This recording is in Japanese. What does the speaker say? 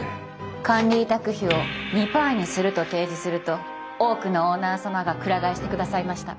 管理委託費を２パーにすると提示すると多くのオーナー様がくら替えしてくださいました。